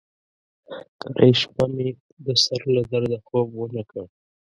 کرۍ شپه مې د سر له درده خوب ونه کړ.